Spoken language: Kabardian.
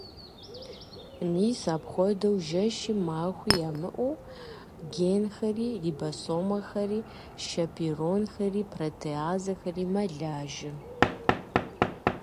Мис апхуэдэу жэщи махуи ямыӏэу генхэри, рибосомэхэри, шэперонхэри, протеазэхэри мэлажьэ.